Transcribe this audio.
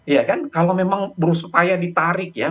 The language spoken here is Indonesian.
iya kan kalau memang supaya ditarik ya